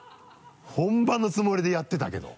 本番のつもりでやってたけど。